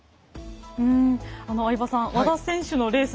相葉さん和田選手のレース